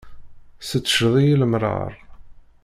Tseččeḍ-iyi lemṛaṛ.